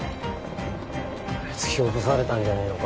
突き落とされたんじゃねえのか？